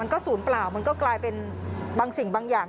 ก็ศูนย์เปล่ามันก็กลายเป็นบางสิ่งบางอย่าง